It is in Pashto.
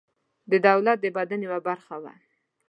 د دولت د بدن یوه برخه وه.